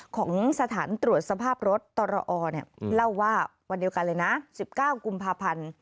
ของสถานตรวจสภาพรถตรอเล่าว่าวันเดียวกันเลยนะ๑๙กุมภาพันธ์